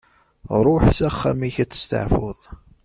Ruḥ s axxam-ik ad testeɛfuḍ.